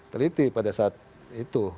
teliti pada saat itu